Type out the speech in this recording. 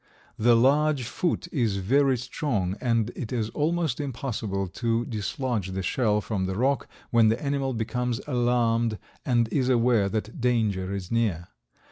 The large foot is very strong and it is almost impossible to dislodge the shell from the rock when the animal becomes alarmed and is aware that danger is near.